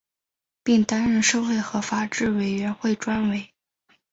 并担任社会和法制委员会专委。